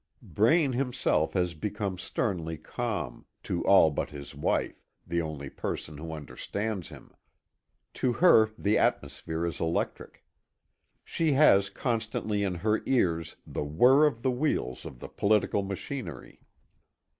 Braine himself has become sternly calm to all but his wife, the only person who understands him. To her the atmosphere is electric. She has constantly in her ears the whirr of the wheels of the political machinery.